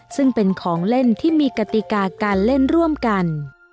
ซึ่งเป็นของเล่นที่มีกติกาการเล่นร่วมกัน